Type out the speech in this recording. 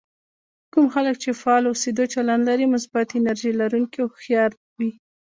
کوم خلک چې فعال اوسېدو چلند لري مثبت، انرژي لرونکي او هوښيار وي.